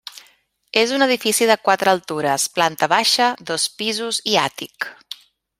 És un edifici de quatre altures, planta baixa, dos pisos i àtic.